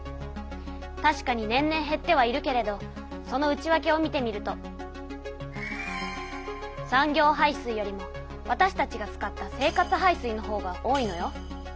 たしかに年々へってはいるけれどその内わけを見てみると産業排水よりもわたしたちが使った生活排水のほうが多いのよ。